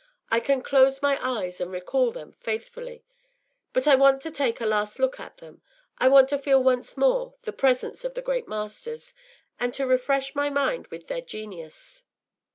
I can close my eyes and recall them faithfully. But I want to take a last look at them; I want to feel once more the presence of the great masters, and to refresh my mind with their genius.